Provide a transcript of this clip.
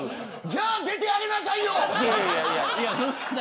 じゃあ出てあげなさいよ。